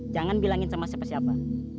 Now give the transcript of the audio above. jangan bilangin sama siapa siapa